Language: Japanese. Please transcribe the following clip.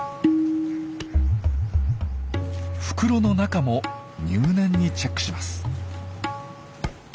袋の中も入念にチェックします。